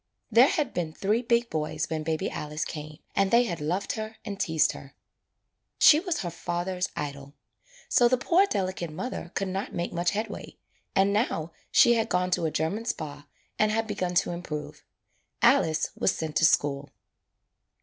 There had been three big boys when baby Alice came and they had loved her and teased her. She was her father's idol. So the poor delicate mother could not make much headway, and now she had gone to a German Spa and had begun to improve. Alice was sent to school.